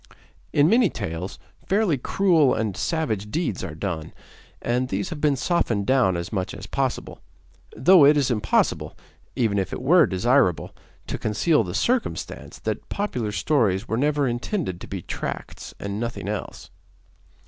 In many tales, fairly cruel and savage deeds are done, and these have been softened down as much as possible; though it is impossible, even if it were desirable, to conceal the circumstance that popular stories were never intended to be tracts and nothing else.